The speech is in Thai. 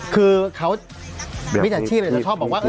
คือเขามิจฉาชีพเลยที่จะบอกว่า